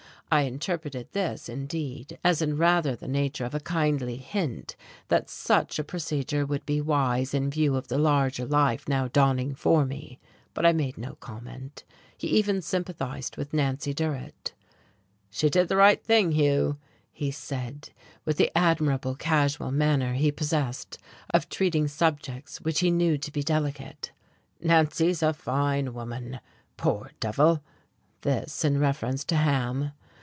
I interpreted this, indeed, as in rather the nature of a kindly hint that such a procedure would be wise in view of the larger life now dawning for me, but I made no comment.... He even sympathized with Nancy Durrett. "She did the right thing, Hugh," he said, with the admirable casual manner he possessed of treating subjects which he knew to be delicate. "Nancy's a fine woman. Poor devil!" This in reference to Ham....